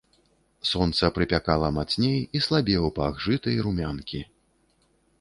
Сонца прыпякала мацней, і слабеў пах жыта і румянкі.